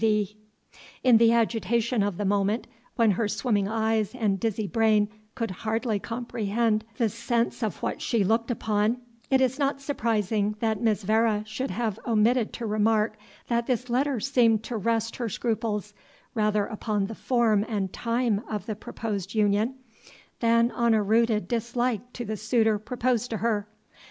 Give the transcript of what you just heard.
V." In the agitation of the moment, when her swimming eyes and dizzy brain could hardly comprehend the sense of what she looked upon, it is not surprising that Miss Vere should have omitted to remark that this letter seemed to rest her scruples rather upon the form and time of the proposed union, than on a rooted dislike to the suitor proposed to her.